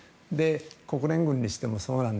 国連軍にしてもそうなので。